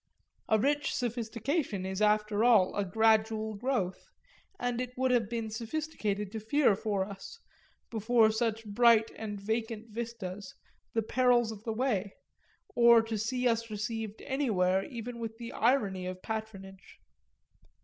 A rich sophistication is after all a gradual growth, and it would have been sophisticated to fear for us, before such bright and vacant vistas, the perils of the way or to see us received anywhere even with the irony of patronage.